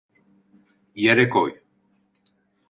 Yere koy!